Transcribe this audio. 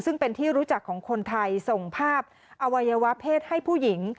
ซึ่งเป็นที่รู้จักของคนไทยส่งภาพอวัยวะเพศให้ผู้หญิง